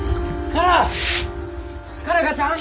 佳奈花ちゃん？